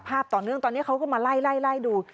ต่อเนื่องตอนนี้เขาก็มาไล่ดู